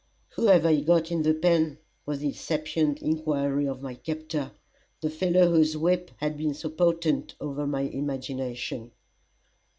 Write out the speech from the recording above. "Who hev' I got in the pen?" was the sapient inquiry of my captor the fellow whose whip had been so potent over my imagination.